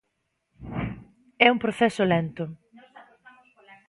É un proceso lento.